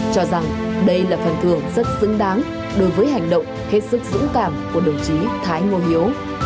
cho rằng đây là phần thưởng rất xứng đáng đối với hành động hết sức dũng cảm của đồng chí thái ngô hiếu